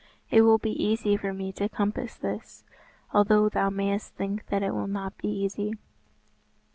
"It will be easy for me to compass this, although thou mayest think that it will not be easy."